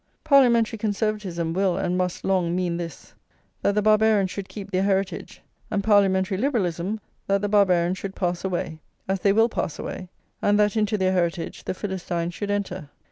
Parliamentary Conservatism will and must long mean this, that the Barbarians should keep their heritage; and Parliamentary Liberalism, that the Barbarians should pass away, as they will pass away, and that into their heritage the Philistines should enter.